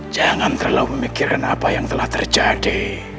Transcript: jangan terlalu memikirkan apa yang telah terjadi